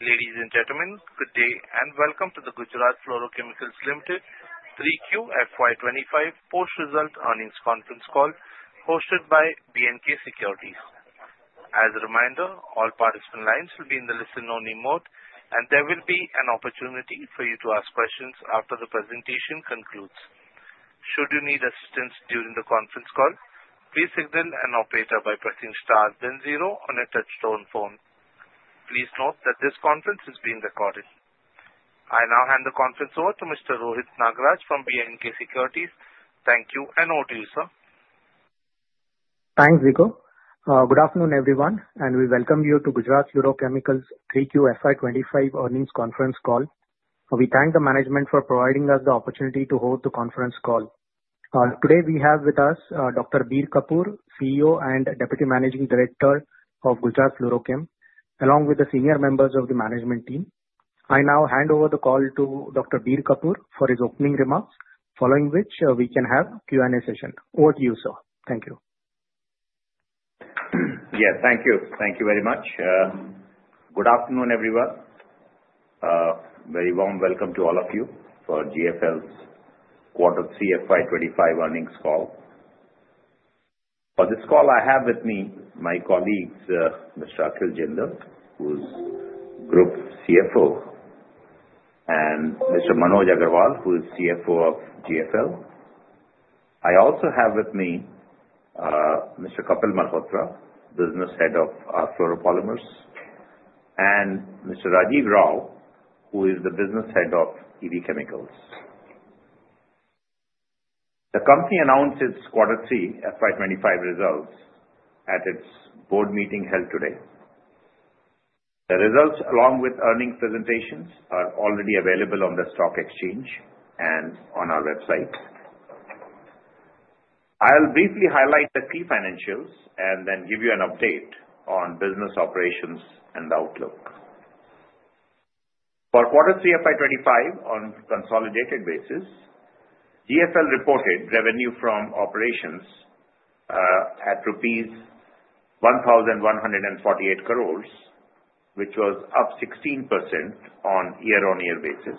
Ladies and gentlemen, good day and welcome to the Gujarat Fluorochemicals Limited Q3 FY25 Post-Results Earnings Conference Call hosted by B&K Securities. As a reminder, all participant lines will be in the listen-only mode, and there will be an opportunity for you to ask questions after the presentation concludes. Should you need assistance during the conference call, please signal an operator by pressing * then 0 on a touch-tone phone. Please note that this conference is being recorded. I now hand the conference over to Mr. Rohit Nagraj from B&K Securities. Thank you and over, sir. Thanks, Rico. Good afternoon, everyone, and we welcome you to Gujarat Fluorochemicals 3QFY25 Earnings Conference Call. We thank the management for providing us the opportunity to host the conference call. Today, we have with us Dr. Bir Kapoor, CEO and Deputy Managing Director of Gujarat Fluorochemicals, along with the senior members of the management team. I now hand over the call to Dr. Bir Kapoor for his opening remarks, following which we can have a Q&A session. Over to you, sir. Thank you. Yes, thank you. Thank you very much. Good afternoon, everyone. Very warm welcome to all of you for GFL's quarter 3 FY25 earnings call. For this call, I have with me my colleagues, Mr. Akhil Jindal, who's Group CFO, and Mr. Manoj Agrawal, who is CFO of GFL. I also have with me Mr. Kapil Malhotra, Business Head of Fluoropolymers, and Mr. Rajiv Rao, who is the Business Head of EV Chemicals. The company announced its quarter 3 FY25 results at its board meeting held today. The results, along with earnings presentations, are already available on the stock exchange and on our website. I'll briefly highlight the key financials and then give you an update on business operations and outlook. For quarter 3 FY25, on a consolidated basis, GFL reported revenue from operations at rupees 1,148 crores, which was up 16% on year-on-year basis.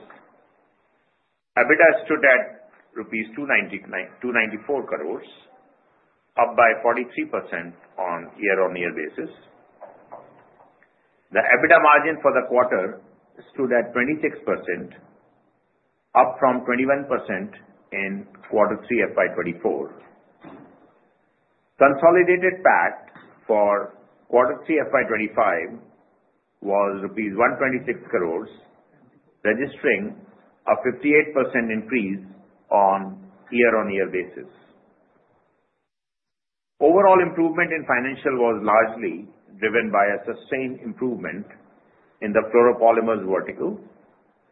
EBITDA stood at rupees 294 crores, up by 43% on year-on-year basis. The EBITDA margin for the quarter stood at 26%, up from 21% in quarter 3 FY24. Consolidated PAT for quarter 3 FY25 was rupees 126 crores, registering a 58% increase on year-on-year basis. Overall improvement in financial was largely driven by a sustained improvement in the fluoropolymer vertical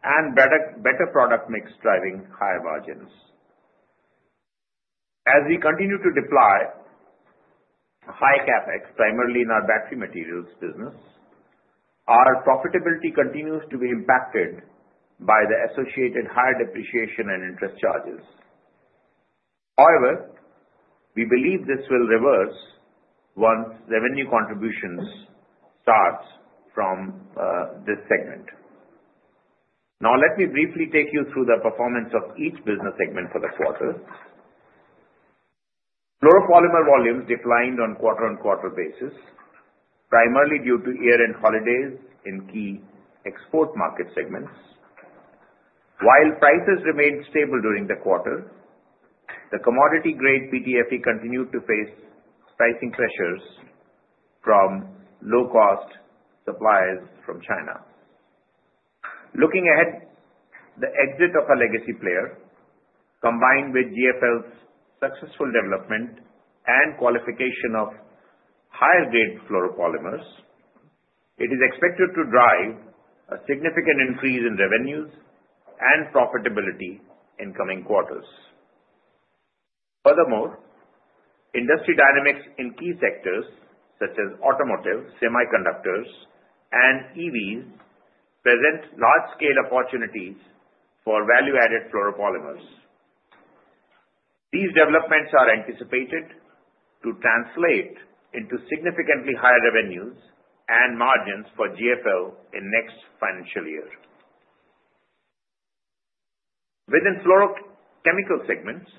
and better product mix driving higher margins. As we continue to deploy high CapEx, primarily in our battery materials business, our profitability continues to be impacted by the associated higher depreciation and interest charges. However, we believe this will reverse once revenue contributions start from this segment. Now, let me briefly take you through the performance of each business segment for the quarter. Fluoropolymer volumes declined on quarter-on-quarter basis, primarily due to year-end holidays in key export market segments. While prices remained stable during the quarter, the commodity-grade PTFE continued to face pricing pressures from low-cost suppliers from China. Looking ahead, the exit of a legacy player, combined with GFL's successful development and qualification of higher-grade fluoropolymers, it is expected to drive a significant increase in revenues and profitability in coming quarters. Furthermore, industry dynamics in key sectors such as automotive, semiconductors, and EVs present large-scale opportunities for value-added fluoropolymer. These developments are anticipated to translate into significantly higher revenues and margins for GFL in the next financial year. Within fluorochemical segments,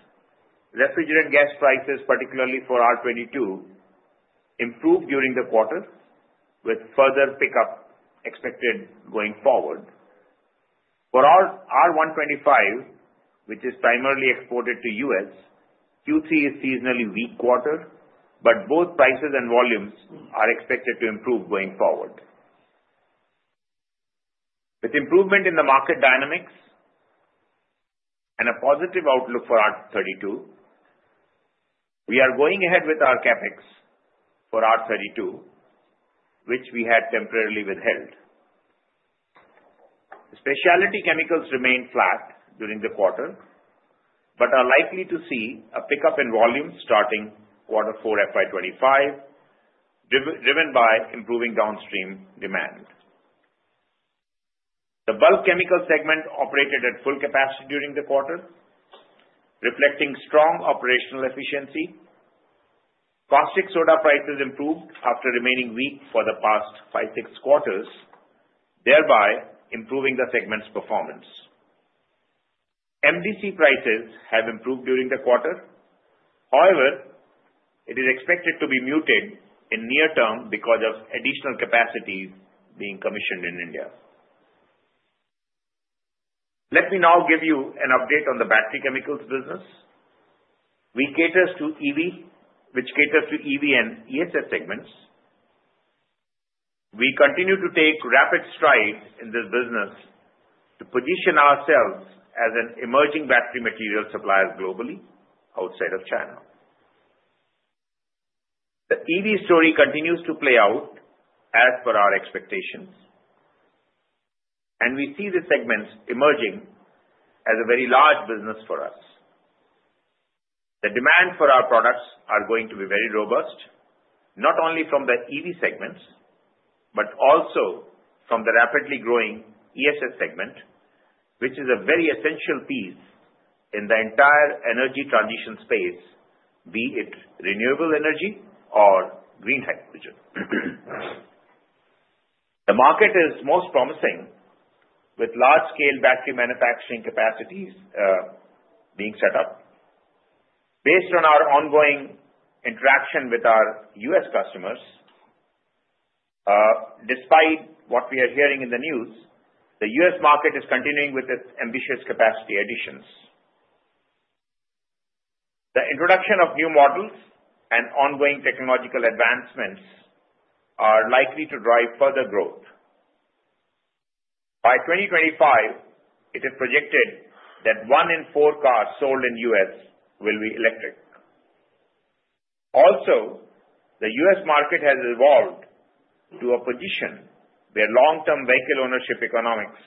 refrigerant gas prices, particularly for R22, improved during the quarter, with further pickup expected going forward. For R125, which is primarily exported to the U.S., Q3 is seasonally weak quarter, but both prices and volumes are expected to improve going forward. With improvement in the market dynamics and a positive outlook for R32, we are going ahead with our CapEx for R32, which we had temporarily withheld. Specialty chemicals remained flat during the quarter but are likely to see a pickup in volumes starting quarter 4 FY25, driven by improving downstream demand. The bulk chemicals segment operated at full capacity during the quarter, reflecting strong operational efficiency. Caustic soda prices improved after remaining weak for the past five to six quarters, thereby improving the segment's performance. MDC prices have improved during the quarter. However, it is expected to be muted in the near term because of additional capacity being commissioned in India. Let me now give you an update on the battery chemicals business. We cater to EV and ESS segments. We continue to take rapid strides in this business to position ourselves as an emerging battery material supplier globally outside of China. The EV story continues to play out as per our expectations, and we see the segments emerging as a very large business for us. The demand for our products is going to be very robust, not only from the EV segments but also from the rapidly growing ESS segment, which is a very essential piece in the entire energy transition space, be it renewable energy or green hydrogen. The market is most promising, with large-scale battery manufacturing capacities being set up. Based on our ongoing interaction with our U.S. customers, despite what we are hearing in the news, the U.S. market is continuing with its ambitious capacity additions. The introduction of new models and ongoing technological advancements are likely to drive further growth. By 2025, it is projected that one in four cars sold in the U.S. will be electric. Also, the U.S. market has evolved to a position where long-term vehicle ownership economics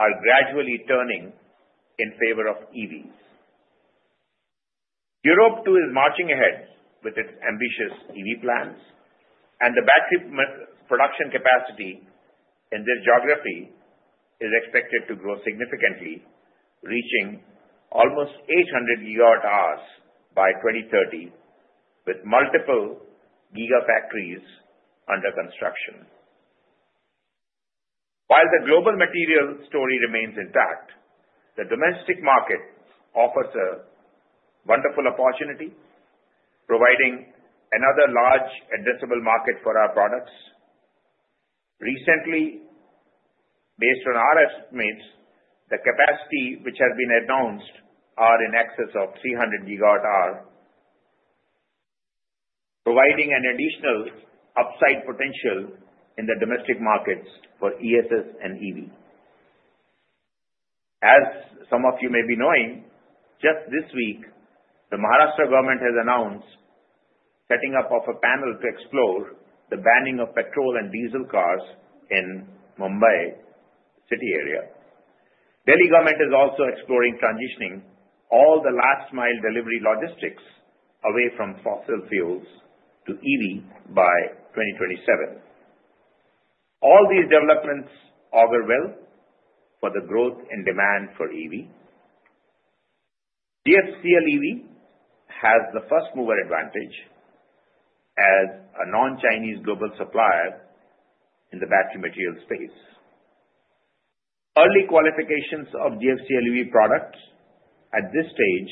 are gradually turning in favor of EVs. Europe too is marching ahead with its ambitious EV plans, and the battery production capacity in this geography is expected to grow significantly, reaching almost 800 GWh by 2030, with multiple gigafactories under construction. While the global material story remains intact, the domestic market offers a wonderful opportunity, providing another large addressable market for our products. Recently, based on our estimates, the capacity which has been announced is in excess of 300 GWh, providing an additional upside potential in the domestic markets for ESS and EV. As some of you may be knowing, just this week, the Maharashtra government has announced the setting up of a panel to explore the banning of petrol and diesel cars in the Mumbai city area. The Delhi government is also exploring transitioning all the last-mile delivery logistics away from fossil fuels to EV by 2027. All these developments augur well for the growth in demand for EV. GFCL EV has the first-mover advantage as a non-Chinese global supplier in the battery material space. Early qualifications of GFCL EV products at this stage,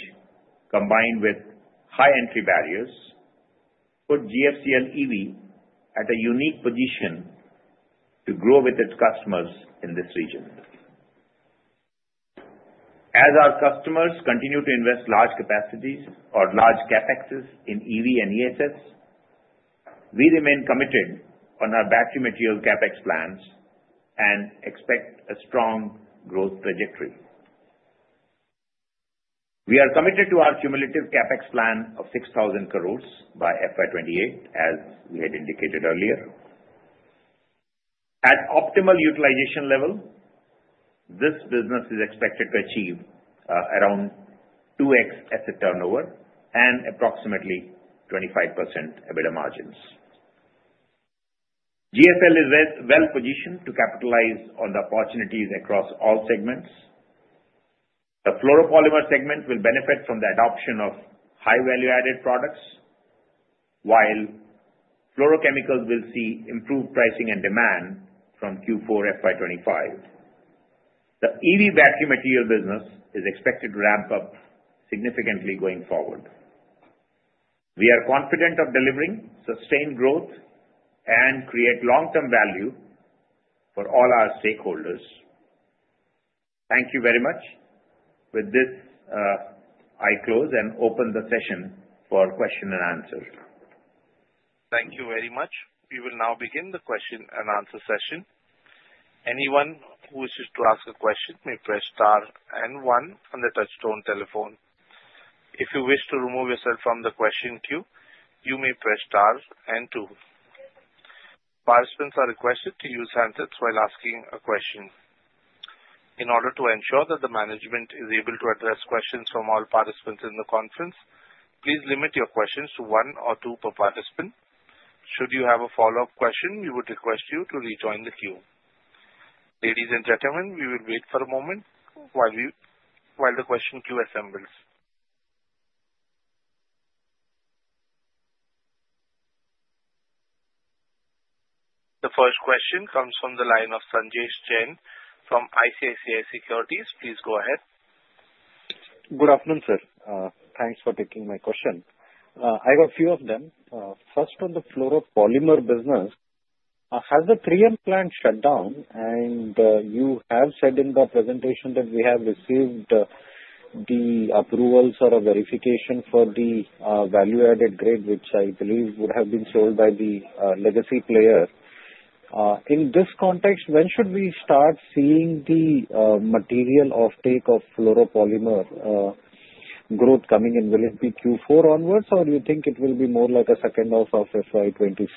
combined with high entry barriers, put GFCL EV at a unique position to grow with its customers in this region. As our customers continue to invest large capacities or large Capexes in EV and ESS, we remain committed to our battery material Capex plans and expect a strong growth trajectory. We are committed to our cumulative CapEx plan of 6,000 crores by FY28, as we had indicated earlier. At optimal utilization level, this business is expected to achieve around 2x asset turnover and approximately 25% EBITDA margins. GFL is well-positioned to capitalize on the opportunities across all segments. The fluoropolymer segment will benefit from the adoption of high-value-added products, while fluorochemicals will see improved pricing and demand from Q4 FY25. The EV battery material business is expected to ramp up significantly going forward. We are confident in delivering sustained growth and creating long-term value for all our stakeholders. Thank you very much. With this, I close and open the session for questions and answers. Thank you very much. We will now begin the question and answer session. Anyone who wishes to ask a question may press * and 1 on the touch-tone telephone. If you wish to remove yourself from the question queue, you may press * and 2. Participants are requested to use handsets while asking a question. In order to ensure that the management is able to address questions from all participants in the conference, please limit your questions to one or two per participant. Should you have a follow-up question, we would request you to rejoin the queue. Ladies and gentlemen, we will wait for a moment while the question queue assembles. The first question comes from the line of Sanjesh Jain from ICICI Securities. Please go ahead. Good afternoon, sir. Thanks for taking my question. I have a few of them. First, on the fluoropolymer business, has the 3M plant shut down? And you have said in the presentation that we have received the approvals or verification for the value-added grade, which I believe would have been sold by the legacy player. In this context, when should we start seeing the material offtake of fluoropolymer growth coming in, will it be Q4 onwards, or do you think it will be more like a second half of FY26?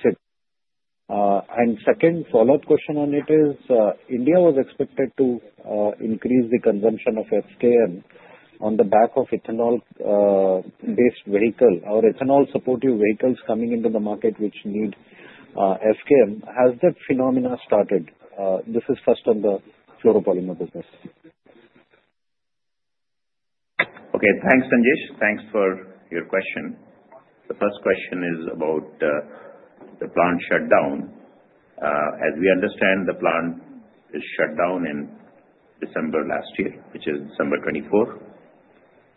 And second follow-up question on it is, India was expected to increase the consumption of FKM on the back of ethanol-based vehicles or ethanol-supportive vehicles coming into the market, which need FKM. Has that phenomenon started? This is first on the fluoropolymer business. Okay. Thanks, Sanjesh. Thanks for your question. The first question is about the plant shutdown. As we understand, the plant was shut down in December last year, which is December 2024.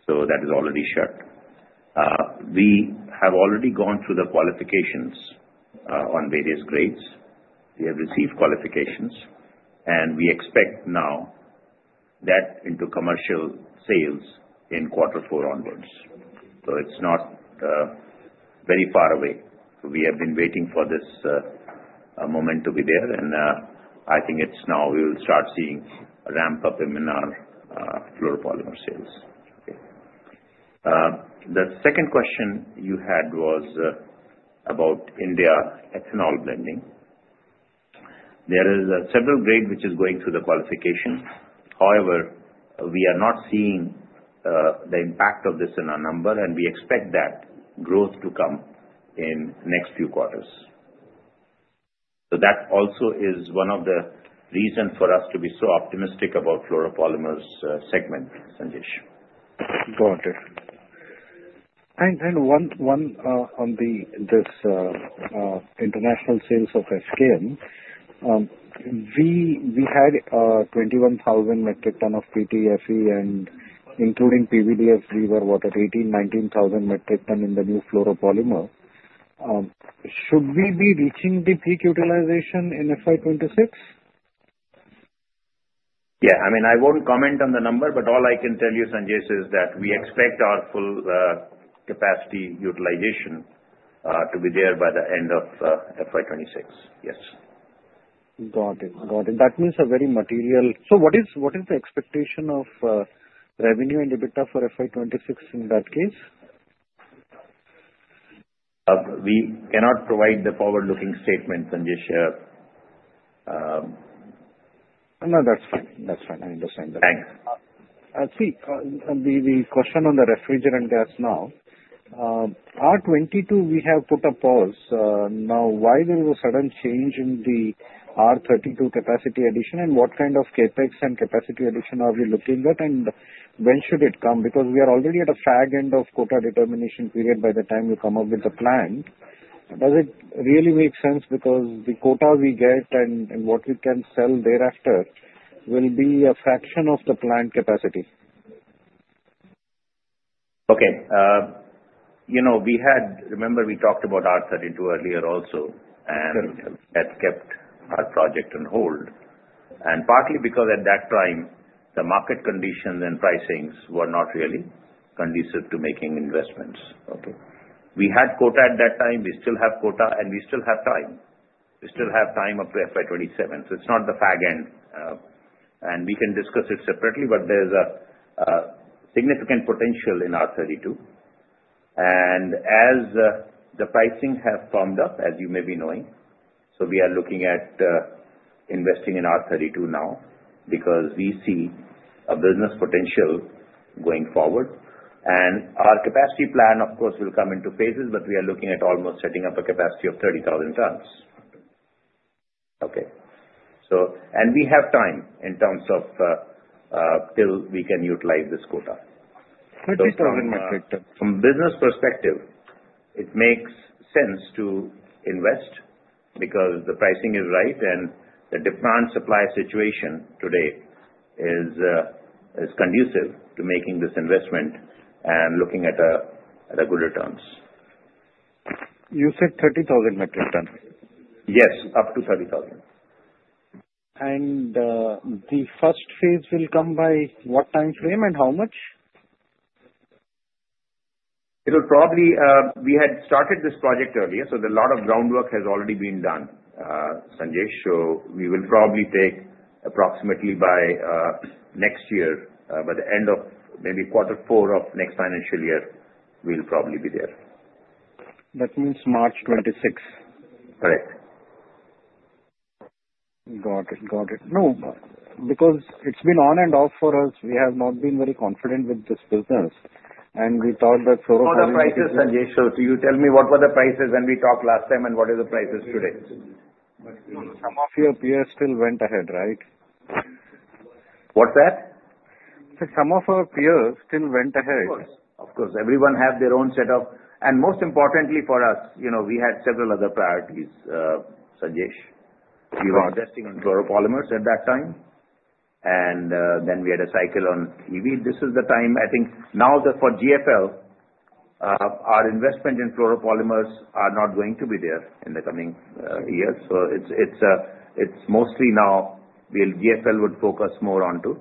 So that is already shut. We have already gone through the qualifications on various grades. We have received qualifications, and we expect now to go into commercial sales in quarter 4 onwards. So it's not very far away. We have been waiting for this moment to be there, and I think it's now we will start seeing a ramp-up in our fluoropolymer sales. The second question you had was about Indian ethanol blending. There are several grades which are going through the qualification. However, we are not seeing the impact of this in our numbers, and we expect that growth to come in the next few quarters. So that also is one of the reasons for us to be so optimistic about fluoropolymer's segment, Sanjesh. Got it. And one on this international sales of FKM, we had 21,000 metric tons of PTFE, and including PVDFs, we were at 18,000-19,000 metric tons in the new fluoropolymer. Should we be reaching the peak utilization in FY26? Yeah. I mean, I won't comment on the number, but all I can tell you, Sanjesh, is that we expect our full capacity utilization to be there by the end of FY26. Yes. Got it. Got it. That means a very material. So what is the expectation of revenue and EBITDA for FY26 in that case? We cannot provide the forward-looking statement, Sanjesh. No, that's fine. That's fine. I understand. Thanks. See, the question on the refrigerant gas now, R22, we have put a pause. Now, why there was a sudden change in the R32 capacity addition, and what kind of CapEx and capacity addition are we looking at, and when should it come? Because we are already at a fag end of quota determination period by the time we come up with the plan. Does it really make sense because the quota we get and what we can sell thereafter will be a fraction of the plant capacity? Okay. Remember, we talked about R32 earlier also, and that kept our project on hold, partly because at that time, the market conditions and pricings were not really conducive to making investments. Okay. We had quota at that time. We still have quota, and we still have time. We still have time up to FY27. So it's not the fag end, and we can discuss it separately, but there's a significant potential in R32. And as the pricing has turned up, as you may be knowing, so we are looking at investing in R32 now because we see a business potential going forward. And our capacity plan, of course, will come into phases, but we are looking at almost setting up a capacity of 30,000 tons. Okay. And we have time in terms of till we can utilize this quota. 30,000 metric tons. From a business perspective, it makes sense to invest because the pricing is right, and the demand-supply situation today is conducive to making this investment and looking at good returns. You said 30,000 metric tons. Yes, up to 30,000. The first phase will come by what time frame and how much? We had started this project earlier, so a lot of groundwork has already been done, Sanjesh. So we will probably take approximately by next year, by the end of maybe quarter 4 of next financial year, we'll probably be there. That means March 26. Correct. Got it. Got it. No, because it's been on and off for us. We have not been very confident with this business, and we thought that fluoropolymer. What were the prices, Sanjesh? So you tell me what were the prices when we talked last time and what are the prices today. Some of your peers still went ahead, right? What's that? Some of our peers still went ahead. Of course. Of course. Everyone has their own set of and most importantly for us, we had several other priorities, Sanjesh. We were investing in fluoropolymer at that time, and then we had a cycle on EV. This is the time, I think. Now, for GFL, our investment in fluoropolymer is not going to be there in the coming years. So it's mostly now GFL would focus more onto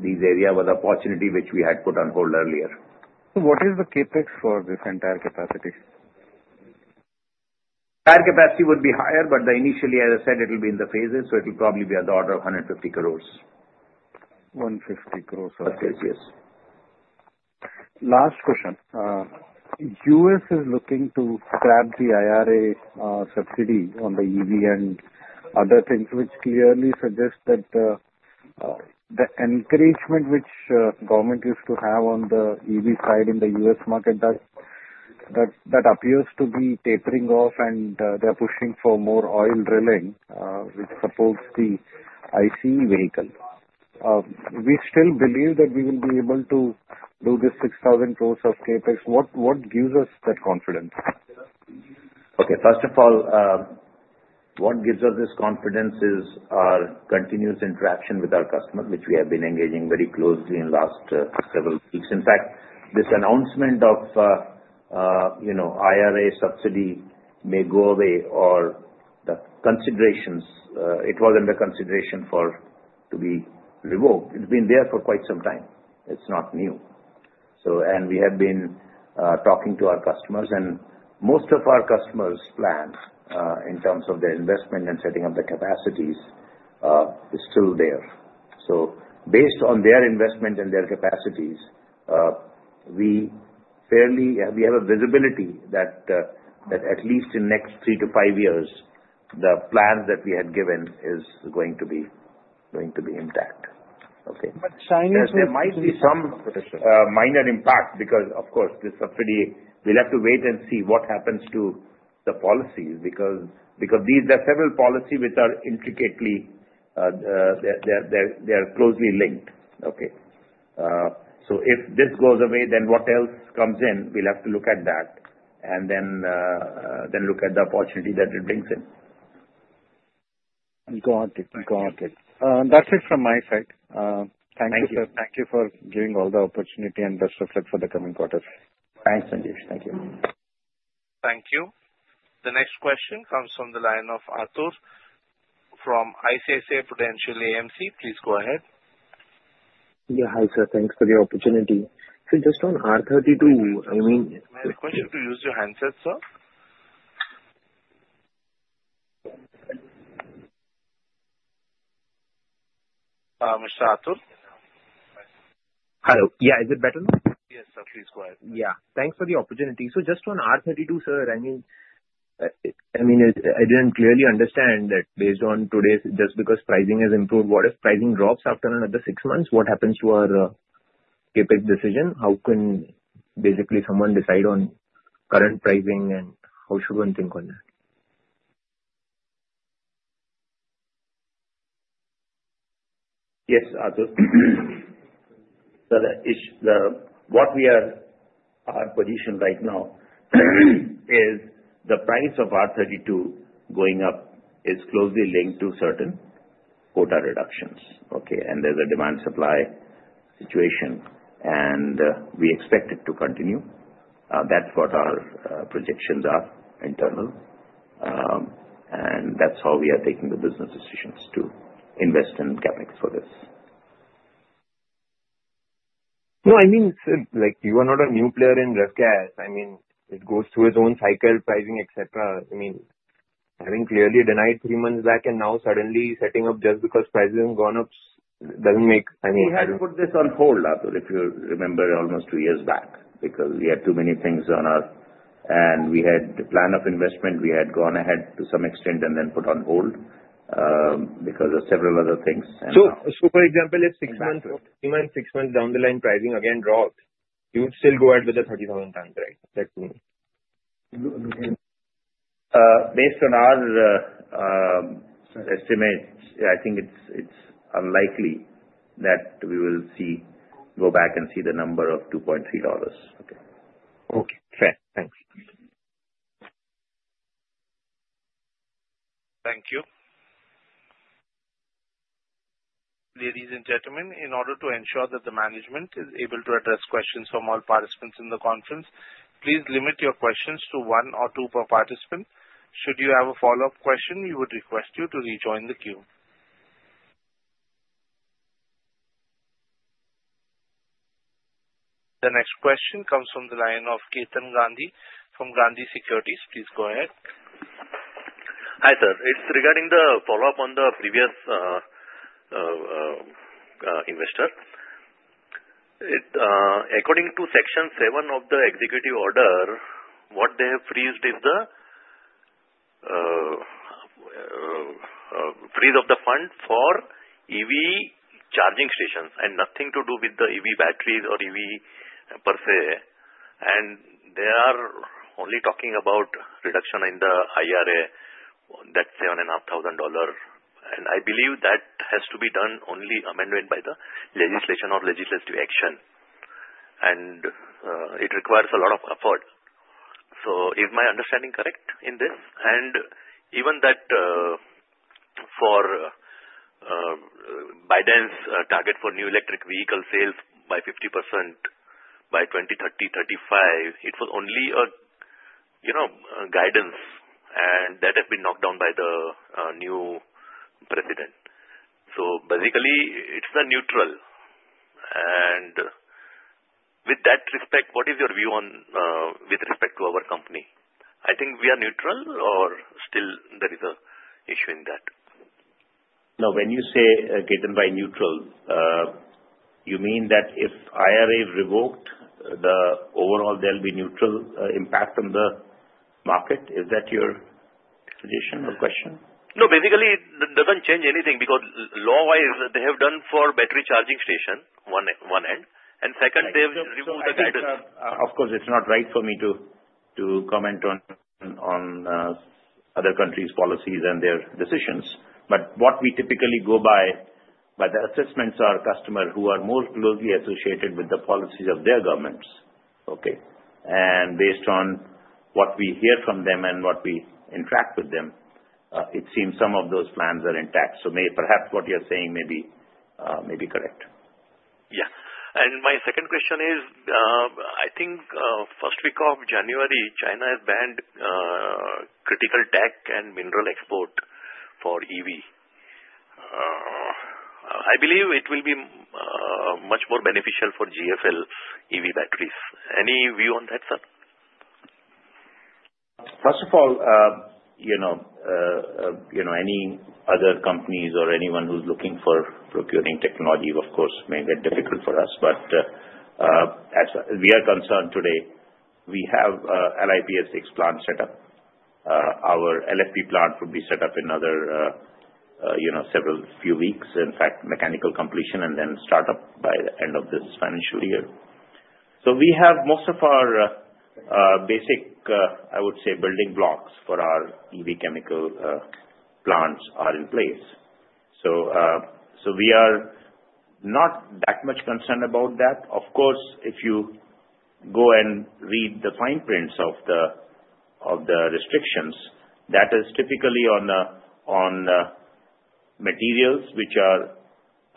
this area with opportunity which we had put on hold earlier. What is the CapEx for this entire capacity? Entire capacity would be higher, but initially, as I said, it will be in the phases, so it will probably be at the order of 150 crores. 150 crores. Case, yes. Last question. The U.S. is looking to grab the IRA subsidy on the EV and other things, which clearly suggests that the encouragement which government used to have on the EV side in the U.S. market, that appears to be tapering off, and they're pushing for more oil drilling, which supports the ICE vehicle. We still believe that we will be able to do this 6,000 crores of CapEx. What gives us that confidence? Okay. First of all, what gives us this confidence is our continuous interaction with our customers, which we have been engaging very closely in the last several weeks. In fact, this announcement of IRA subsidy may go away, or the considerations; it was under consideration to be revoked. It's been there for quite some time. It's not new, and we have been talking to our customers, and most of our customers' plan in terms of their investment and setting up the capacities is still there, so based on their investment and their capacities, we have a visibility that at least in the next three-to-five years, the plans that we had given are going to be intact. Okay. But Chinese will. There might be some minor impact because, of course, this subsidy. We'll have to wait and see what happens to the policies because there are several policies which are intricately closely linked. Okay. So if this goes away, then what else comes in? We'll have to look at that and then look at the opportunity that it brings in. Got it. Got it. That's it from my side. Thank you. Thank you. Thank you for giving all the opportunity and best of luck for the coming quarters. Thanks, Sanjesh. Thank you. Thank you. The next question comes from the line of Aatur from ICICI Prudential AMC. Please go ahead. Yeah. Hi, sir. Thanks for the opportunity. So just on R32, I mean. I request you to use your handset, sir. Mr. Aatur? Hello. Yeah. Is it better now? Yes, sir. Please go ahead. Yeah. Thanks for the opportunity. So just on R32, sir, I mean, I didn't clearly understand that based on today's just because pricing has improved, what if pricing drops after another six months? What happens to our CapEx decision? How can basically someone decide on current pricing, and how should one think on that? Yes, Aatur. So what we are, our position right now is the price of R32 going up is closely linked to certain quota reductions. Okay. And there's a demand-supply situation, and we expect it to continue. That's what our projections are internally. And that's how we are taking the business decisions to invest in CapEx for this. No, I mean, you are not a new player in ref gas. I mean, it goes through its own cycle, pricing, etc. I mean, having clearly denied three months back and now suddenly setting up just because prices have gone up doesn't make any sense. We had to put this on hold, Aatur, if you remember, almost two years back because we had too many things on us and we had the plan of investment. We had gone ahead to some extent and then put on hold because of several other things. So for example, if three months down the line, pricing again dropped, you would still go ahead with the 30,000 tons, right? That's what you mean. Based on our estimates, I think it's unlikely that we will go back and see the number of $2.3. Okay. Fair. Thanks. Thank you. Ladies and gentlemen, in order to ensure that the management is able to address questions from all participants in the conference, please limit your questions to one or two per participant. Should you have a follow-up question, we would request you to rejoin the queue. The next question comes from the line of Ketan Gandhi from Gandhi Securities. Please go ahead. Hi, sir. It's regarding the follow-up on the previous investor. According to Section 7 of the Executive Order, what they have frozen is the freeze of the fund for EV charging stations and nothing to do with the EV batteries or EV per se. And they are only talking about reduction in the IRA, that $7,500. And I believe that has to be done only amended by the legislation or legislative action. And it requires a lot of effort. So is my understanding correct in this? And even that for Biden's target for new electric vehicle sales by 50% by 2030, 35, it was only a guidance, and that has been knocked down by the new president. So basically, it's a neutral. And with that respect, what is your view with respect to our company? I think we are neutral, or still there is an issue in that? No, when you say getting by neutral, you mean that if IRA revoked, overall, there'll be neutral impact on the market? Is that your suggestion or question? No, basically, it doesn't change anything because law-wise, they have done for battery charging station, one end. And second, they have removed the guidance. Of course, it's not right for me to comment on other countries' policies and their decisions. But what we typically go by, by the assessments of our customers who are most closely associated with the policies of their governments, okay, and based on what we hear from them and what we interact with them, it seems some of those plans are intact. So perhaps what you're saying may be correct. Yeah. And my second question is, I think first week of January, China has banned critical tech and mineral export for EV. I believe it will be much more beneficial for GFL's EV batteries. Any view on that, sir? First of all, any other companies or anyone who's looking for procuring technology, of course, may get difficult for us. But as we are concerned today, we have LiPF6 plant set up. Our LFP plant would be set up in another several few weeks, in fact, mechanical completion and then startup by the end of this financial year. So we have most of our basic, I would say, building blocks for our EV chemical plants are in place. So we are not that much concerned about that. Of course, if you go and read the fine print of the restrictions, that is typically on materials which are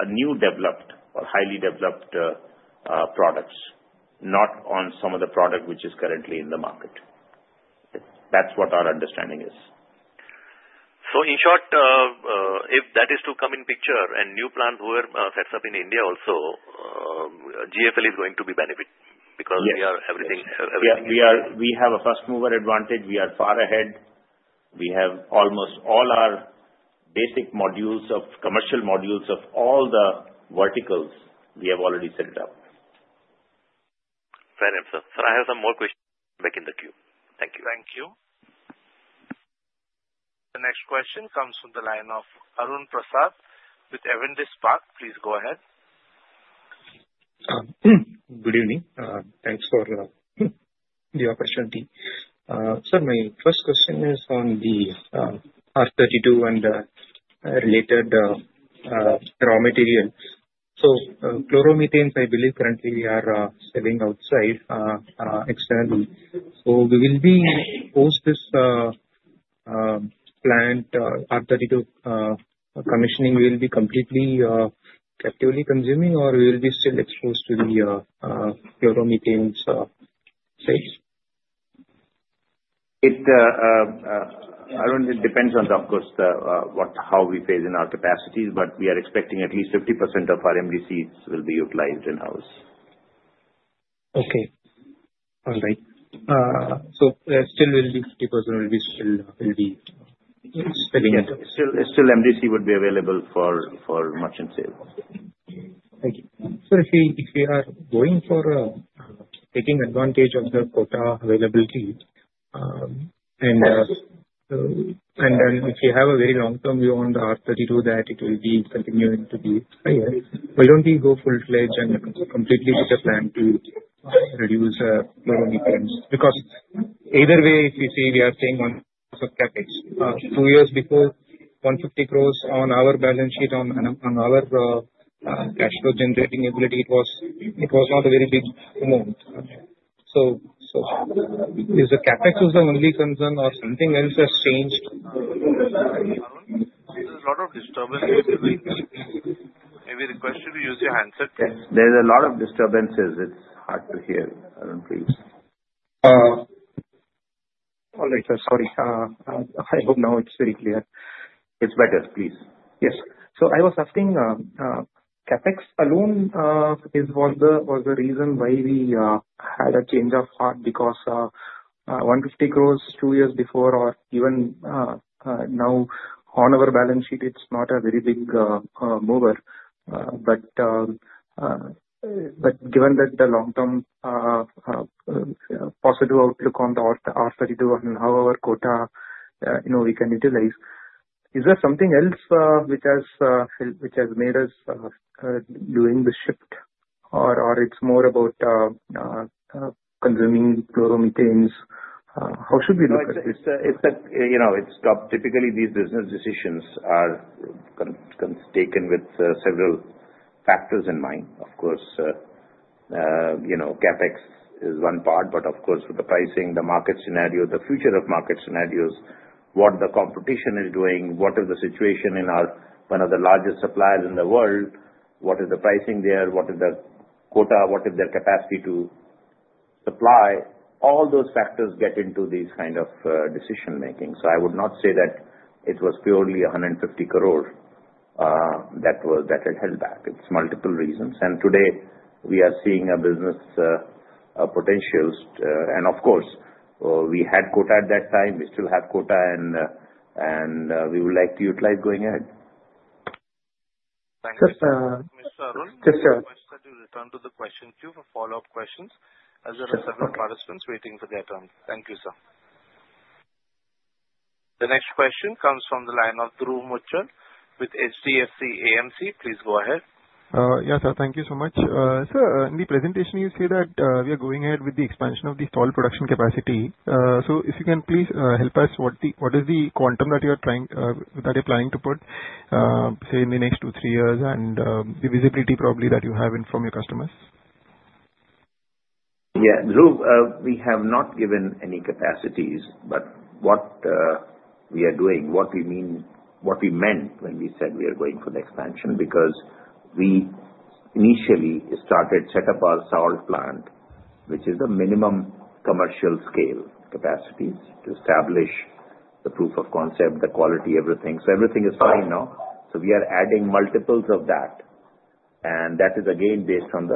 newly developed or highly developed products, not on some of the product which is currently in the market. That's what our understanding is. So, in short, if that is to come into the picture and new plant were set up in India also, GFL is going to benefit because we are everything. Yeah. We have a fast-mover advantage. We are far ahead. We have almost all our basic modules of commercial modules of all the verticals we have already set it up. Fair enough, sir. So I have some more questions back in the queue. Thank you. Thank you. The next question comes from the line of Arun Prasath with Avendus Spark. Please go ahead. Good evening. Thanks for the opportunity. Sir, my first question is on the R32 and related raw material. So fluoromethane, I believe currently we are selling outside externally. So we will be post this plant, R32 commissioning, will we be completely captively consuming, or will we still be exposed to the fluoromethane prices? It depends on, of course, how we phase in our capacities, but we are expecting at least 50% of our MDCs will be utilized in-house. Okay. All right. So 50% will still be spending at? Still MDC would be available for merchant sale. Thank you. So if we are going for taking advantage of the quota availability, and then if you have a very long-term view on the R32 that it will be continuing to be higher, why don't we go full-fledged and completely take a plan to reduce fluoromethane? Because either way, if you see, we are staying on CapEx. Two years before, 150 crores on our balance sheet, on our cash flow generating ability, it was not a very big amount. So is the CapEx the only concern, or something else has changed? There's a lot of disturbances. Have you requested to use your handset? Yes. There's a lot of disturbances. It's hard to hear. Please. All right, sir. Sorry. I hope now it's very clear. It's better. Please. Yes, so I was asking, CapEx alone was the reason why we had a change of heart because 150 crores two years before, or even now on our balance sheet, it's not a very big mover. But given that the long-term positive outlook on the R32 and how our quota we can utilize, is there something else which has made us doing the shift, or it's more about consuming fluoromethanes? How should we look at this? It's got typically these business decisions are taken with several factors in mind. Of course, CapEx is one part, but of course, with the pricing, the market scenario, the future of market scenarios, what the competition is doing, what is the situation in one of the largest suppliers in the world, what is the pricing there, what is the quota, what is their capacity to supply, all those factors get into these kind of decision-making. So I would not say that it was purely 150 crores that had held back. It's multiple reasons, and today, we are seeing a business potential. And of course, we had quota at that time. We still have quota, and we would like to utilize going ahead. Thank you. Mr. Arun, just a question to return to the question queue for follow-up questions as there are several participants waiting for their turn. Thank you, sir. The next question comes from the line of Dhruv Muchhal with HDFC AMC. Please go ahead. Yes, sir. Thank you so much. Sir, in the presentation, you say that we are going ahead with the expansion of the salt production capacity. So if you can please help us, what is the quantum that you are planning to put, say, in the next two, three years, and the visibility probably that you have in from your customers? Yeah. Look, we have not given any capacities, but what we are doing, what we meant when we said we are going for the expansion, because we initially started to set up our small plant, which is the minimum commercial scale capacity to establish the proof of concept, the quality, everything. So everything is fine now. So we are adding multiples of that. And that is again based on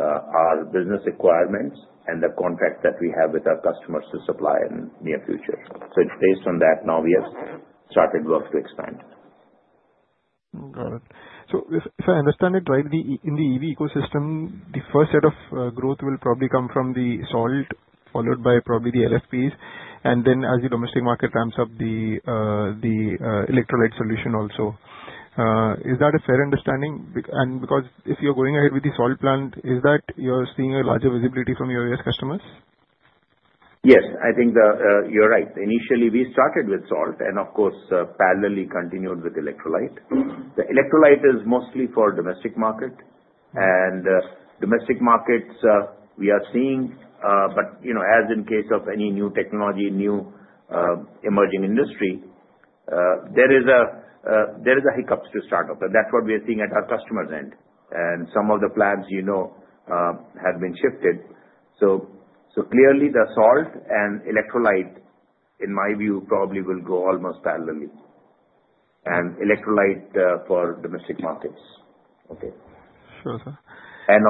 our business requirements and the contracts that we have with our customers to supply in the near future. So it's based on that. Now we have started work to expand. Got it. So if I understand it right, in the EV ecosystem, the first set of growth will probably come from the salt, followed by probably the LFPs. And then as the domestic market ramps up, the electrolyte solution also. Is that a fair understanding? And because if you're going ahead with the salt plant, is that you're seeing a larger visibility from your U.S. customers? Yes. I think you're right. Initially, we started with salt and, of course, parallelly continued with electrolyte. The electrolyte is mostly for domestic market. And domestic markets, we are seeing, but as in case of any new technology, new emerging industry, there is a hiccup to start up. And that's what we are seeing at our customers' end. And some of the plants have been shifted. So clearly, the salt and electrolyte, in my view, probably will go almost parallelly and electrolyte for domestic markets. Okay. Sure, sir.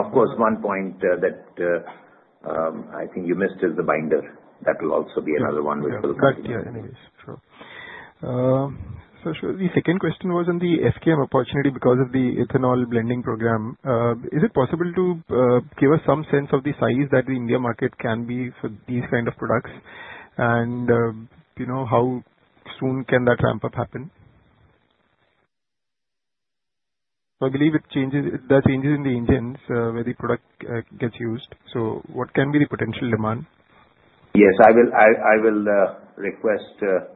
Of course, one point that I think you missed is the binder. That will also be another one which will continue. Correct. Yeah. Anyways, sure. So the second question was on the FKM opportunity because of the ethanol blending program. Is it possible to give us some sense of the size that the India market can be for these kind of products? And how soon can that ramp up happen? So I believe the changes in the engines where the product gets used. So what can be the potential demand? Yes. I will request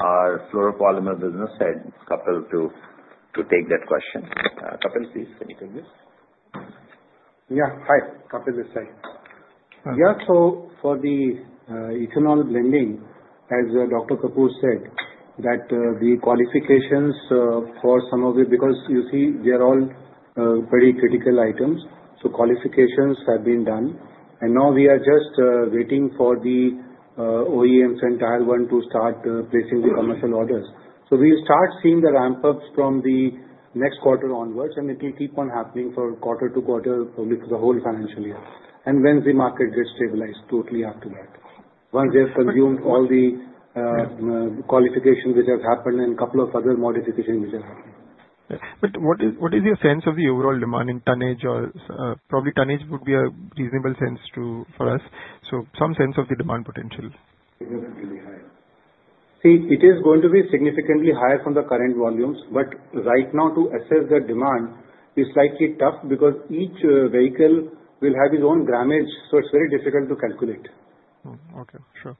our fluoropolymer business heads, Kapil, to take that question. Kapil, please, can you take this? Yeah. Hi. Kapil Malhotra. Yeah. So for the ethanol blending, as Dr. Kapoor said, that the qualifications for some of it because you see, they are all very critical items. So qualifications have been done. And now we are just waiting for the OEMs and Tier One to start placing the commercial orders. So we will start seeing the ramp-ups from the next quarter onwards, and it will keep on happening for quarter to quarter, probably for the whole financial year. And when the market gets stabilized totally after that, once they have consumed all the qualifications which have happened and a couple of other modifications which have happened. But what is your sense of the overall demand in tonnage? Probably tonnage would be a reasonable sense for us. So some sense of the demand potential. Significantly higher. See, it is going to be significantly higher from the current volumes. But right now, to assess the demand is slightly tough because each vehicle will have its own grammage. So it's very difficult to calculate. Okay. Sure.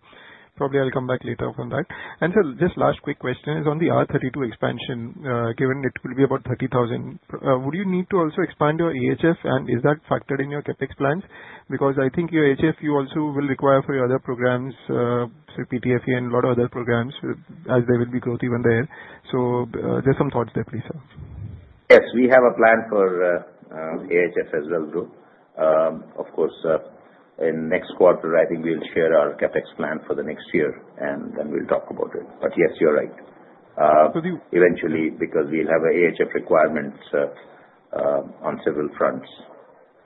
Probably I'll come back later on that. And sir, just last quick question is on the R32 expansion. Given it will be about 30,000, would you need to also expand your AHF, and is that factored in your CapEx plans? Because I think your AHF, you also will require for your other programs, say, PTFE and a lot of other programs, as there will be growth even there. So just some thoughts there, please, sir. Yes. We have a plan for AHF as well, though. Of course, in next quarter, I think we'll share our CapEx plan for the next year, and then we'll talk about it. But yes, you're right. So the. Eventually, because we'll have an AHF requirement on several fronts,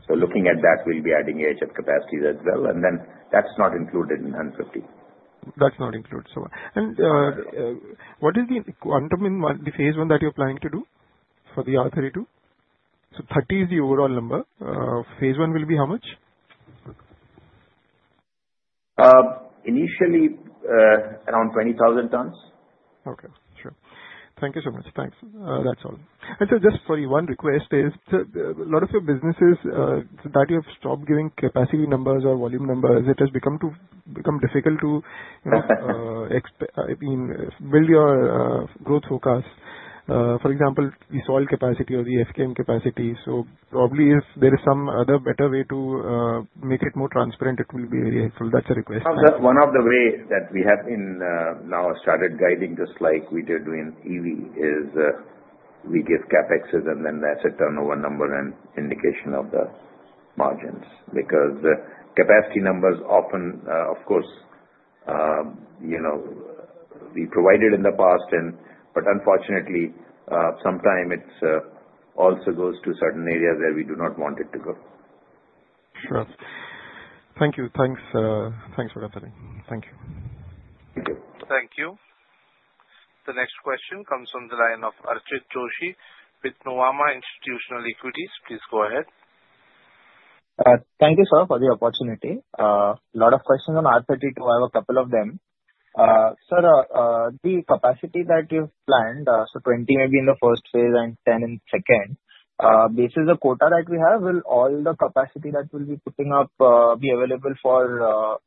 so looking at that, we'll be adding AHF capacity as well, and then that's not included in 150. That's not included. And what is the quantum in the phase one that you're planning to do for the R32? So 30 is the overall number. Phase one will be how much? Initially, around 20,000 tons. Okay. Sure. Thank you so much. Thanks. That's all. And sir, just for you, one request is, sir, a lot of your businesses that you have stopped giving capacity numbers or volume numbers, it has become difficult to, I mean, build your growth forecast. For example, the salt capacity or the FKM capacity. So probably if there is some other better way to make it more transparent, it will be very helpful. That's a request. One of the ways that we have now started guiding just like we did doing EV is we give capex, and then that's a turnover number and indication of the margins. Because capacity numbers often, of course, we provided in the past, but unfortunately, sometimes it also goes to certain areas where we do not want it to go. Sure. Thank you. Thanks for attending. Thank you. Thank you. Thank you. The next question comes from the line of Archit Joshi with Nuvama Institutional Equities. Please go ahead. Thank you, sir, for the opportunity. A lot of questions on R32. I have a couple of them. Sir, the capacity that you've planned, so 20 maybe in the first phase and 10 in the second, this is the quota that we have. Will all the capacity that we'll be putting up be available for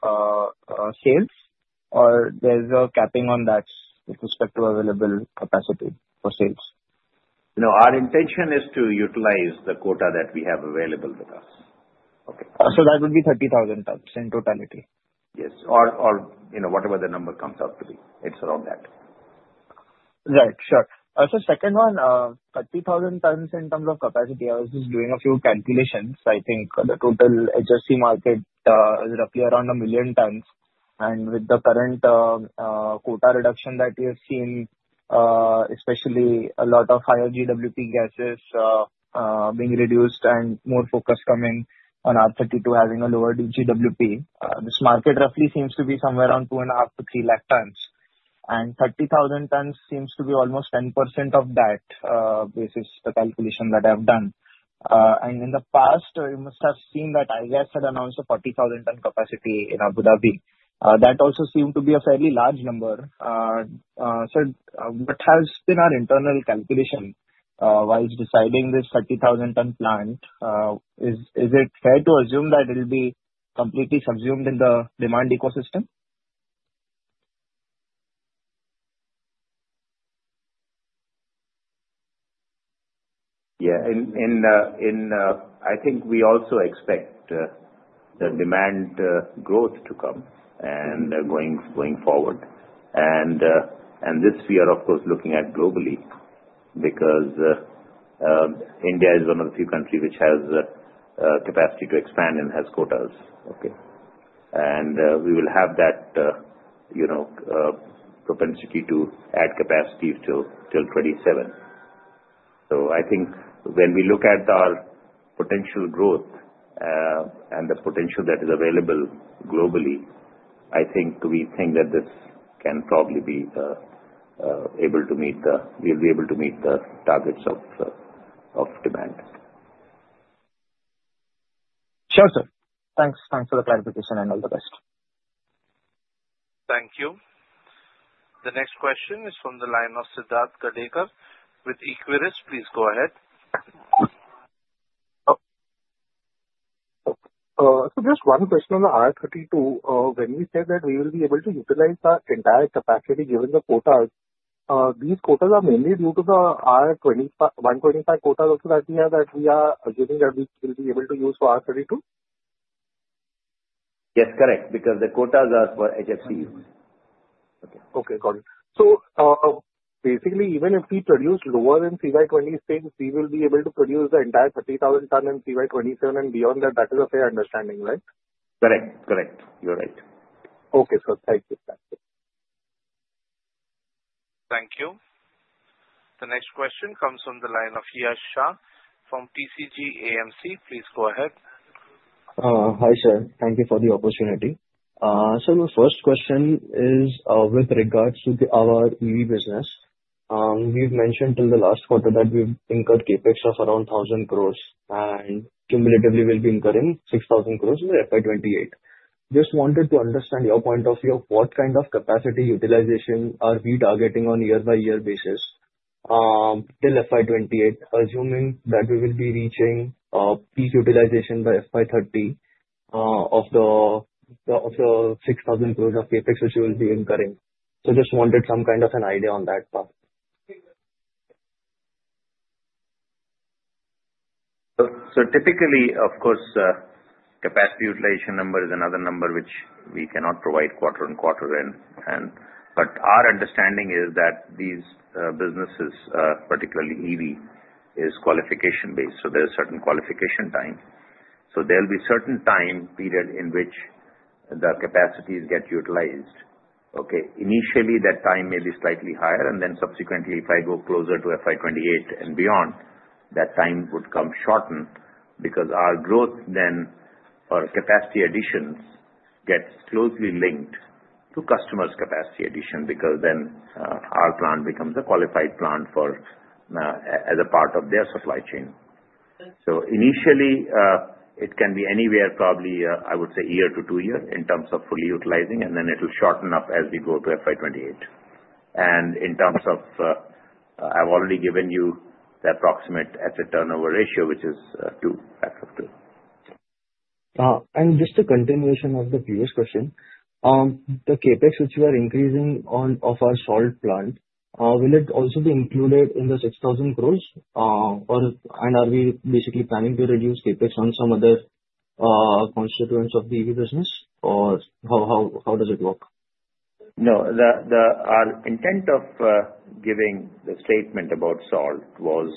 sales, or there's a capping on that with respect to available capacity for sales? Our intention is to utilize the quota that we have available with us. Okay. So that would be 30,000 tons in totality? Yes. Or whatever the number comes out to be. It's around that. Right. Sure. So second one, 30,000 tons in terms of capacity. I was just doing a few calculations. I think the total HFC market is roughly around a million tons. And with the current quota reduction that we have seen, especially a lot of higher GWP gases being reduced and more focus coming on R32 having a lower GWP, this market roughly seems to be somewhere around 2.5 - 3 lakh tons. And 30,000 tons seems to be almost 10% of that, which is the calculation that I've done. And in the past, you must have seen that iGas had announced a 40,000-ton capacity in Abu Dhabi. That also seemed to be a fairly large number. Sir, what has been our internal calculation while deciding this 30,000-ton plant? Is it fair to assume that it'll be completely subsumed in the demand ecosystem? Yeah. And I think we also expect the demand growth to come going forward. And this we are, of course, looking at globally because India is one of the few countries which has capacity to expand and has quotas. Okay. And we will have that propensity to add capacity till 2027. So I think when we look at our potential growth and the potential that is available globally, I think we think that this can probably be able to. We'll be able to meet the targets of demand. Sure, sir. Thanks. Thanks for the clarification, and all the best. Thank you. The next question is from the line of Siddharth Gadekar with Equirus. Please go ahead. So just one question on the R32. When we say that we will be able to utilize the entire capacity given the quotas, these quotas are mainly due to the R125 quotas also that we have that we are assuming that we will be able to use for R32? Yes. Correct. Because the quotas are for HFC use. Okay. Okay. Got it. So basically, even if we produce lower than CY26, we will be able to produce the entire 30,000 tons in CY27 and beyond that. That is a fair understanding, right? Correct. Correct. You're right. Okay, sir. Thank you. Thank you. Thank you. The next question comes from the line of Yash Shah from TCG AMC. Please go ahead. Hi, sir. Thank you for the opportunity. Sir, my first question is with regards to our EV business. We've mentioned till the last quarter that we've incurred CapEx of around 1,000 crores and cumulatively we'll be incurring 6,000 crores in the FY28. Just wanted to understand your point of view of what kind of capacity utilization are we targeting on year-by-year basis till FY28, assuming that we will be reaching peak utilization by FY30 of the 6,000 crores of CapEx which we will be incurring. So just wanted some kind of an idea on that part. Typically, of course, capacity utilization number is another number which we cannot provide quarter on quarter. But our understanding is that these businesses, particularly EV, is qualification-based. So there is certain qualification time. So there'll be certain time period in which the capacities get utilized. Okay. Initially, that time may be slightly higher, and then subsequently, if I go closer to FY28 and beyond, that time would come shortened because our growth then or capacity additions gets closely linked to customers' capacity addition because then our plant becomes a qualified plant as a part of their supply chain. So initially, it can be anywhere, probably, I would say, one year to two years in terms of fully utilizing, and then it'll shorten up as we go to FY28. And in terms of I've already given you the approximate asset turnover ratio, which is a factor of 2. Just a continuation of the previous question, the CapEx which we are increasing of our salt plant, will it also be included in the 6,000 crores? And are we basically planning to reduce CapEx on some other constituents of the EV business, or how does it work? No. Our intent of giving the statement about salt was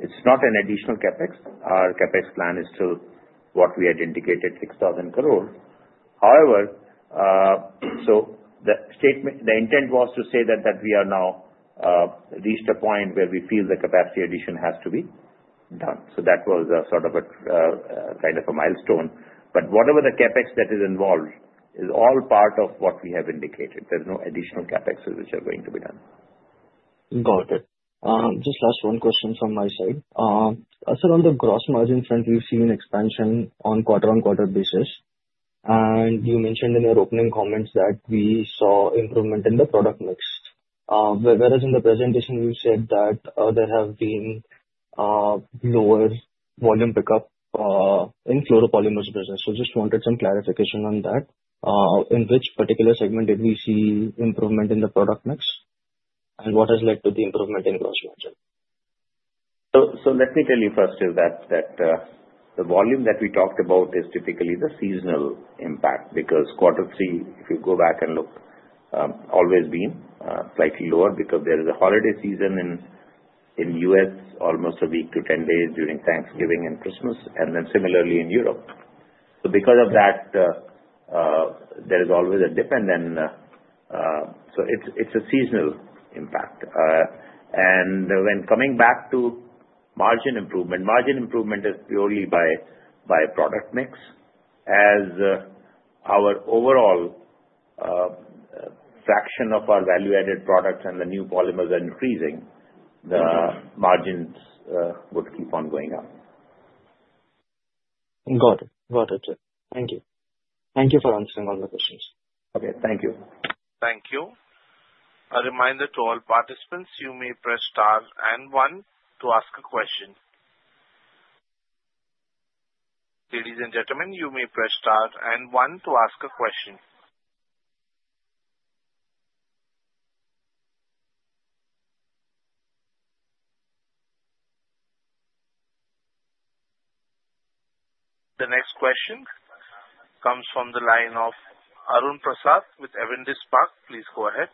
it's not an additional CapEx. Our CapEx plan is still what we had indicated, 6,000 crores. However, so the intent was to say that we have now reached a point where we feel the capacity addition has to be done. So that was sort of a kind of a milestone. But whatever the CapEx that is involved is all part of what we have indicated. There's no additional CapEx which are going to be done. Got it. Just last one question from my side. Sir, on the gross margin front, we've seen expansion on quarter-on-quarter basis. And you mentioned in your opening comments that we saw improvement in the product mix. Whereas in the presentation, you said that there have been lower volume pickup in fluoropolymer business. So just wanted some clarification on that. In which particular segment did we see improvement in the product mix? And what has led to the improvement in gross margin? So let me tell you first is that the volume that we talked about is typically the seasonal impact because quarter three, if you go back and look, always been slightly lower because there is a holiday season in the U.S., almost a week to 10 days during Thanksgiving and Christmas, and then similarly in Europe. So because of that, there is always a dip, and then so it's a seasonal impact. And when coming back to margin improvement, margin improvement is purely by product mix. As our overall fraction of our value-added products and the new polymers are increasing, the margins would keep on going up. Got it. Got it, sir. Thank you. Thank you for answering all the questions. Okay. Thank you. Thank you. A reminder to all participants, you may press star and one to ask a question. Ladies and gentlemen, you may press star and one to ask a question. The next question comes from the line of Arun Prasath with Avendus Spark. Please go ahead.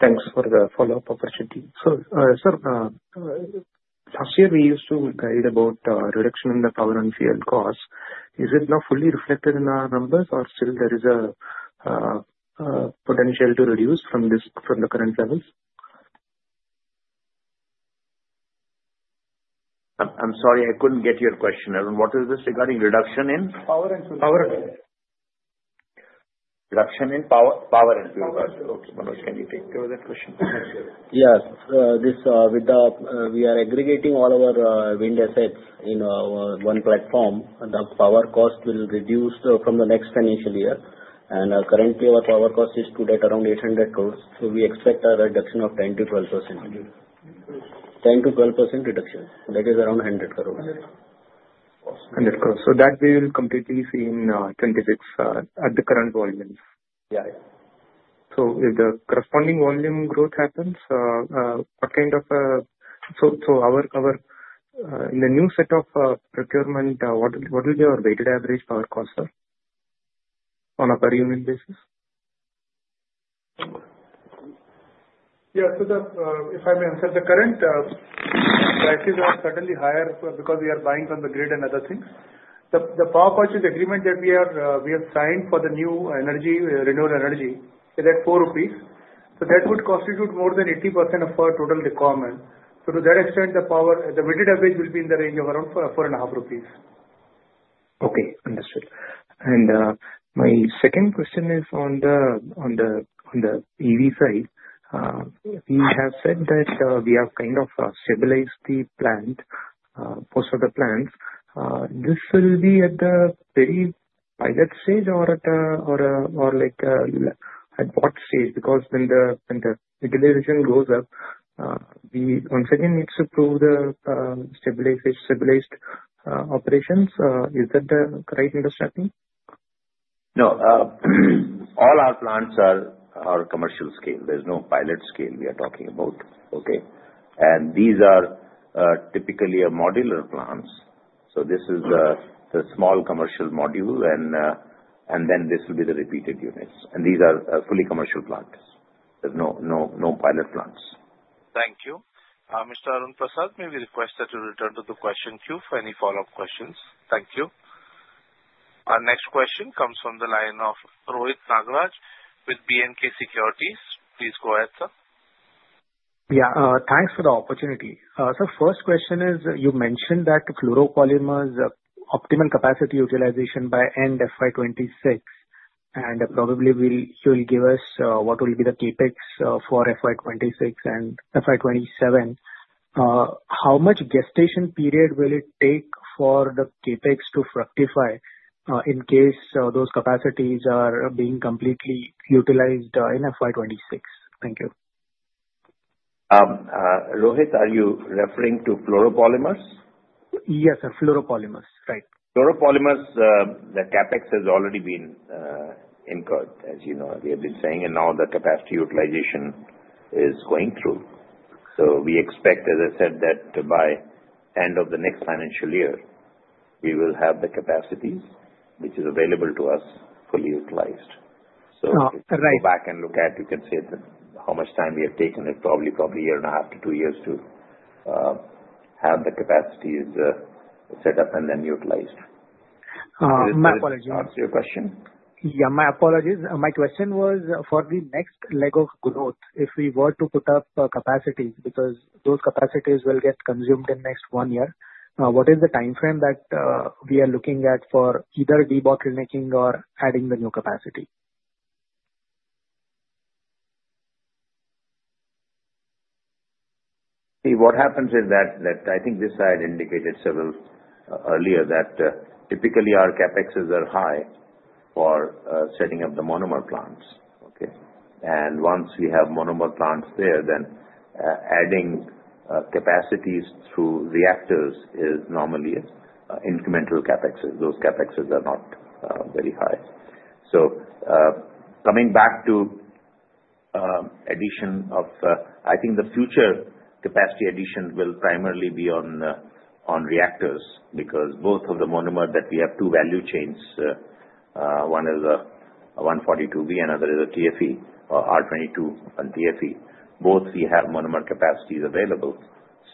Thanks for the follow-up opportunity. Sir, last year, we used to guide about reduction in the power and fuel costs. Is it now fully reflected in our numbers, or still there is a potential to reduce from the current levels? I'm sorry, I couldn't get your question. What is this regarding reduction in? Power and fuel. Reduction in power and fuel costs. Okay. Manoj, can you take over that question? Yes. With that, we are aggregating all our wind assets in one platform, and the power cost will reduce from the next financial year. Currently, our power cost is at around 800 crore. So we expect a reduction of 10%-12%. 10%-12% reduction. That is around 100 crore. 100 crores. So that we will completely see in 2026 at the current volume. Yeah. If the corresponding volume growth happens, what kind of, so in the new set of procurement, what will be our weighted average power cost, sir, on a per unit basis? Yeah. So if I may answer, the current prices are certainly higher because we are buying from the grid and other things. The power purchase agreement that we have signed for the new renewable energy is at 4 rupees. So that would constitute more than 80% of our total requirement. So to that extent, the weighted average will be in the range of around INR 4.5. Okay. Understood. And my second question is on the EV side. We have said that we have kind of stabilized the plant, most of the plants. This will be at the very pilot stage or at what stage? Because when the utilization goes up, we once again need to prove the stabilized operations. Is that the right understanding? No. All our plants are commercial scale. There's no pilot scale we are talking about. Okay. And these are typically modular plants. So this is the small commercial module, and then this will be the repeated units. And these are fully commercial plants. There's no pilot plants. Thank you. Mr. Arun Prasad, may we request that you return to the question queue for any follow-up questions? Thank you. Our next question comes from the line of Rohit Nagraj with B&K Securities. Please go ahead, sir. Yeah. Thanks for the opportunity. Sir, first question is you mentioned that fluoropolymers' optimal capacity utilization by end FY26, and probably you will give us what will be the CapEx for FY26 and FY27. How much gestation period will it take for the CapEx to fructify in case those capacities are being completely utilized in FY26? Thank you. Rohit, are you referring to fluoropolymer? Yes, sir. Fluoropolymer. Right. Fluoropolymer, the CapEx has already been incurred, as you know. We have been saying, and now the capacity utilization is going through. So we expect, as I said, that by end of the next financial year, we will have the capacities which is available to us fully utilized. So if you go back and look at, you can see how much time we have taken. It's probably a year and a half to two years to have the capacities set up and then utilized. My apologies. What was your question? Yeah. My apologies. My question was for the next leg of growth, if we were to put up capacities because those capacities will get consumed in the next one year, what is the time frame that we are looking at for either de-bottlenecking or adding the new capacity? See, what happens is that I think this I had indicated several earlier that typically our CapExes are high for setting up the monomer plants. Okay. And once we have monomer plants there, then adding capacities through reactors is normally incremental CapExes. Those CapExes are not very high. So coming back to addition of I think the future capacity addition will primarily be on reactors because both of the monomer that we have two value chains. One is R142b, another is TFE, R22 and TFE. Both we have monomer capacities available.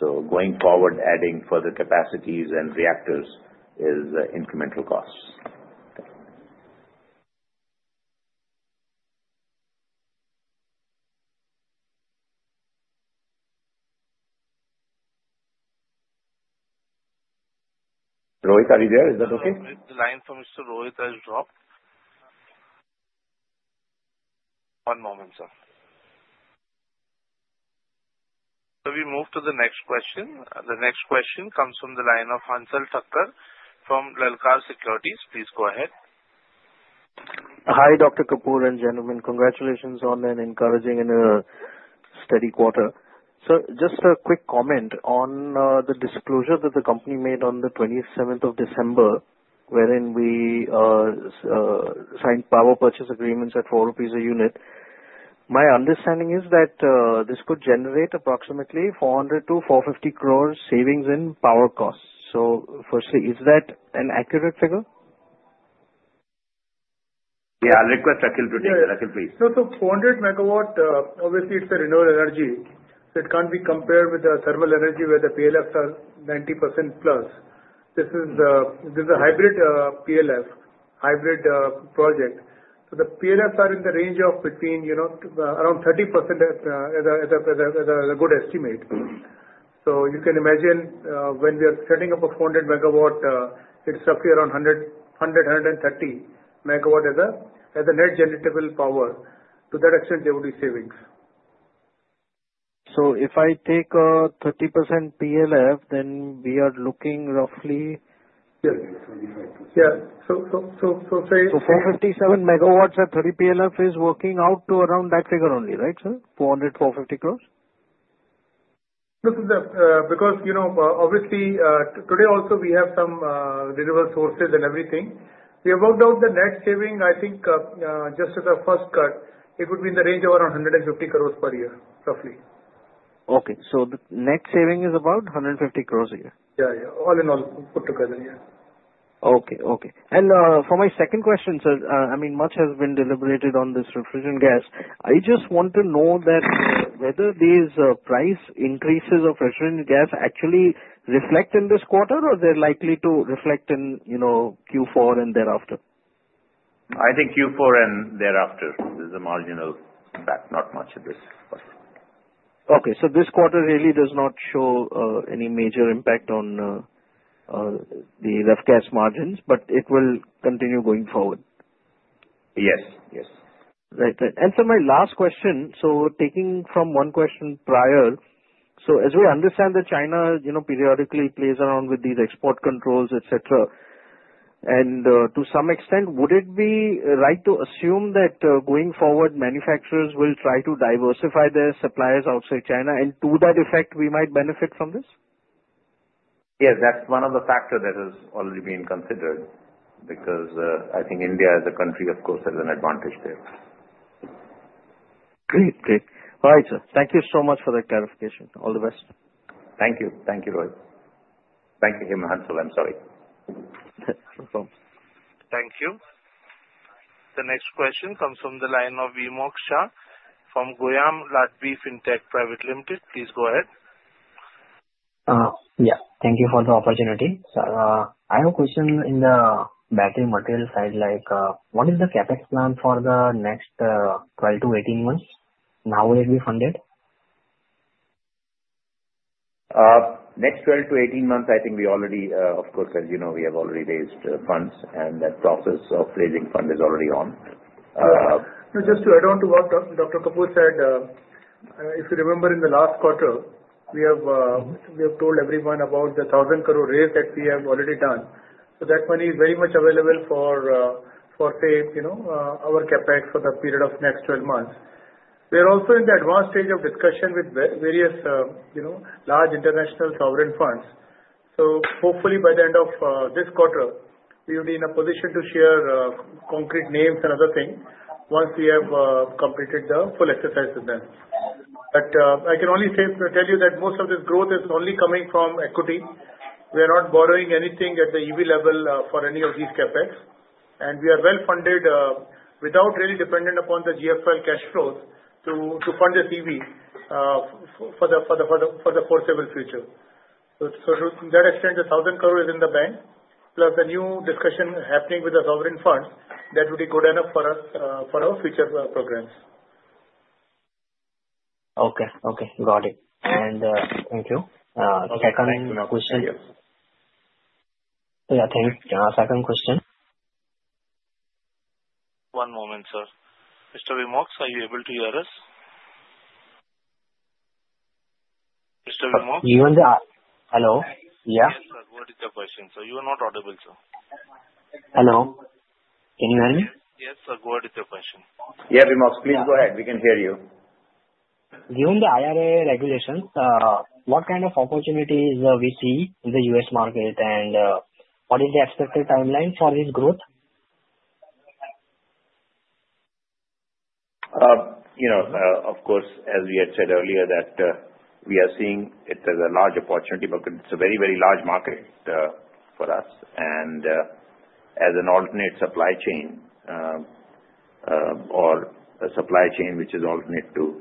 So going forward, adding further capacities and reactors is incremental costs. Rohit, are you there? Is that okay? The line from Mr. Rohit Nagraj has dropped. One moment, sir. So we move to the next question. The next question comes from the line of Hansal Thacker from Lalkar Securities. Please go ahead. Hi, Dr. Kapoor and gentlemen. Congratulations on an encouraging and a steady quarter. Sir, just a quick comment on the disclosure that the company made on the 27th of December, wherein we signed power purchase agreements at 4 rupees a unit. My understanding is that this could generate approximately 400-450 savings in power costs. So firstly, is that an accurate figure? Yeah. I'll request Akhil to take that. Akhil, please. So 400 MW, obviously. It's a renewable energy. So it can't be compared with the thermal energy where the PLFs are 90% plus. This is a hybrid PLF, hybrid project. So the PLFs are in the range of between around 30% as a good estimate. So you can imagine when we are setting up a 400 MW, it's roughly around 100-130 MW as a net generatable power. To that extent, there would be savings. So if I take a 30% PLF, then we are looking roughly. Yes. Yeah. So say. So 457 MW at 30 PLF is working out to around that figure only, right, sir? 400, 450 crores? Because obviously, today also we have some renewable sources and everything. We have worked out the net saving, I think, just as a first cut, it would be in the range of around 150 per year, roughly. Okay, so the net saving is about 150 a year? Yeah. Yeah. All in all, put together, yeah. And for my second question, sir, I mean, much has been deliberated on this refrigerant gas. I just want to know that whether these price increases of refrigerant gas actually reflect in this quarter, or they're likely to reflect in Q4 and thereafter? I think Q4 and thereafter is a marginal impact, not much of this. Okay. So this quarter really does not show any major impact on the ref gas margins, but it will continue going forward? Yes. Yes. Right. And sir, my last question. So taking from one question prior, so as we understand that China periodically plays around with these export controls, etc., and to some extent, would it be right to assume that going forward, manufacturers will try to diversify their suppliers outside China, and to that effect, we might benefit from this? Yes. That's one of the factors that has already been considered because I think India as a country, of course, has an advantage there. Great. Great. All right, sir. Thank you so much for that clarification. All the best. Thank you. Thank you, Rohit. Thank you. Hey, my handset fell. I'm sorry. No problem. Thank you. The next question comes from the line of Vimox Shah Goyam Luxy Fintech Private Limited. Please go ahead. Yeah. Thank you for the opportunity. I have a question in the battery material side. What is the CapEx plan for the next 12-18 months? Now, will it be funded? Next 12-18 months, I think we already, of course, as you know, we have already raised funds, and that process of raising funds is already on. So just to add on to what Dr. Kapoor said, if you remember in the last quarter, we have told everyone about the 1,000 [crore] raise that we have already done. So that money is very much available for, say, our CapEx for the period of next 12 months. We are also in the advanced stage of discussion with various large international sovereign funds. So hopefully, by the end of this quarter, we will be in a position to share concrete names and other things once we have completed the full exercise with them. But I can only tell you that most of this growth is only coming from equity. We are not borrowing anything at the EV level for any of these CapEx, and we are well funded without really depending upon the GFL cash flows to fund the EV for the foreseeable future. So to that extent, the INR 1,000 is in the bank, plus the new discussion happening with the sovereign funds, that would be good enough for our future programs. Okay. Got it. And thank you. Second question. Yeah. Thank you. Second question. One moment, sir. Mr. Vimox, are you able to hear us? Mr. Vimox? You in the hello? Yeah. Yes, sir. What is the question? So you are not audible, sir. Hello? Can you hear me? Yes, sir. What is the question? Yeah, Vimox, please go ahead. We can hear you. Given the IRA regulations, what kind of opportunities do we see in the U.S. market, and what is the expected timeline for this growth? Of course, as we had said earlier, that we are seeing it as a large opportunity market. It's a very, very large market for us. And as an alternate supply chain or a supply chain which is alternate to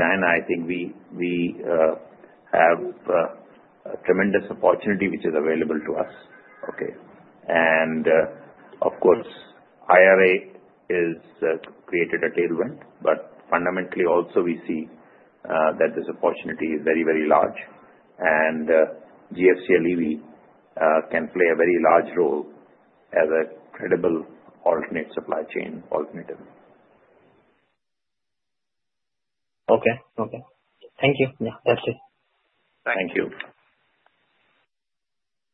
China, I think we have a tremendous opportunity which is available to us. Okay. And of course, IRA is creating a tailwind, but fundamentally, also, we see that this opportunity is very, very large, and GFCL EV can play a very large role as a credible alternate supply chain alternative. Okay. Okay. Thank you. Yeah. That's it. Thank you.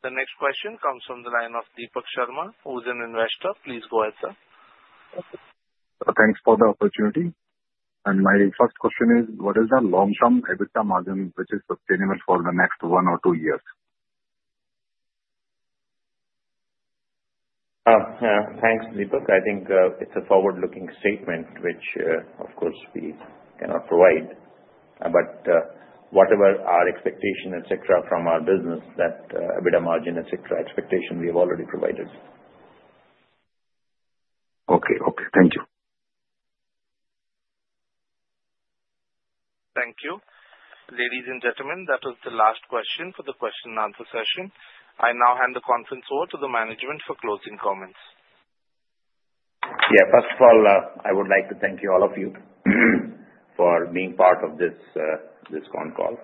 The next question comes from the line of Deepak Sharma, who is an investor. Please go ahead, sir. So thanks for the opportunity. And my first question is, what is the long-term EBITDA margin which is sustainable for the next one or two years? Thanks, Deepak. I think it's a forward-looking statement, which, of course, we cannot provide. But whatever our expectation, etc., from our business, that EBITDA margin, etc., expectation we have already provided. Okay. Okay. Thank you. Thank you. Ladies and gentlemen, that was the last question for the question-and-answer session. I now hand the conference over to the management for closing comments. Yeah. First of all, I would like to thank you all of you for being part of this con call.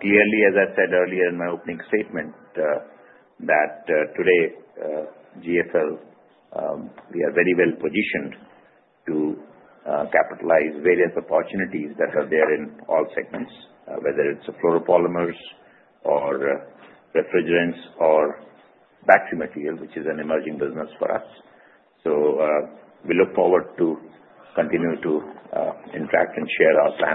Clearly, as I said earlier in my opening statement, that today, GFL, we are very well positioned to capitalize various opportunities that are there in all segments, whether it's fluoropolymer or refrigerants or battery material, which is an emerging business for us, so we look forward to continue to interact and share our stand.